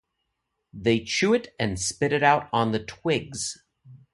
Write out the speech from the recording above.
They chew it and spit it out on the twigs.